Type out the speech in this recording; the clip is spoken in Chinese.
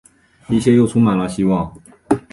一切又充满了希望